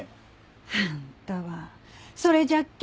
あんたはそれじゃっけん